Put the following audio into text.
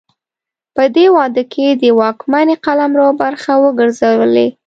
په دې واده کې د واکمنۍ قلمرو برخه وګرځولې.